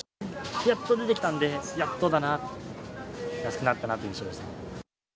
やっと出てきたので、やっとだな、安くなったなっていう印象ですね。